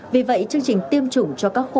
vì vậy chương trình tiêm chủng cho các khu